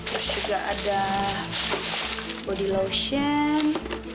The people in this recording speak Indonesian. terus juga ada body lotion